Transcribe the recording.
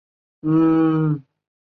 祖纳因此把内政部告上法庭。